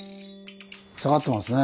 下がってますね。